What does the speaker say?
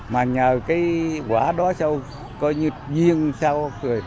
mà nhờ cái quả đó sâu coi như duyên sau